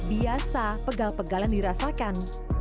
biasa pegal pegalan dirasakan